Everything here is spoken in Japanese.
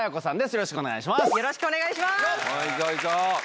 よろしくお願いします。